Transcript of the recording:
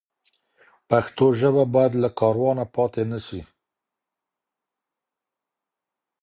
پښتو ژبه باید له کاروانه پاتې نه سي.